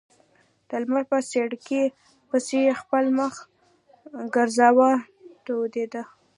د لمر په څړیکې پسې خپل مخ ګرځاوه تودېده.